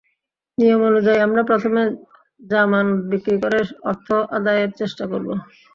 নিয়ম অনুযায়ী আমরা প্রথমে জামানত বিক্রি করে অর্থ আদায়ের চেষ্টা করব।